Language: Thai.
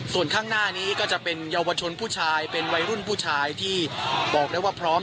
ส่วนข้างหน้านี้ก็จะเป็นเยาวชนผู้ชายเป็นวัยรุ่นผู้ชายที่บอกได้ว่าพร้อม